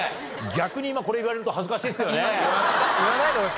逆に今これ言われると恥ずかしいっすよね。